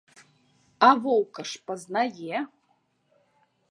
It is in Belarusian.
А воўка ж пазнае!